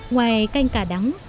ngoài canh cà đắng